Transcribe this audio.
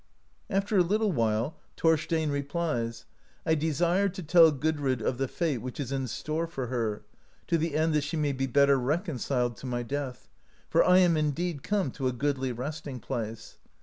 After a little while, Thorstein replies: '*I desire to tell Gudrid of the fate which is tn store for her, to the end that she may be better reconciled to my death, for I am indeed come to a goodly resting place.